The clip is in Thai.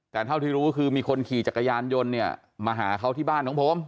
แต่เท่าที่รู้คือมีคนขี่จักรยานยนต์เนี่ยมาหาเขาที่บ้านของผม